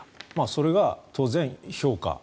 それが当然、評価